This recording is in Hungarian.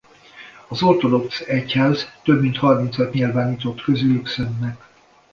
Az ortodox egyház több mint harmincat nyilvánított közülük szentnek.